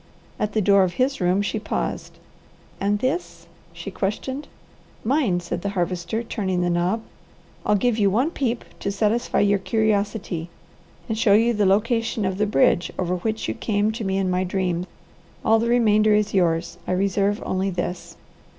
At the door of his room she paused. "And this?" she questioned. "Mine," said the Harvester, turning the knob. "I'll give you one peep to satisfy your curiosity, and show you the location of the bridge over which you came to me in my dream. All the remainder is yours. I reserve only this."